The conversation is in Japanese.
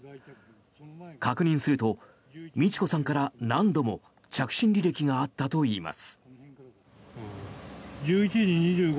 確認すると路子さんから何度も着信履歴があったといいます。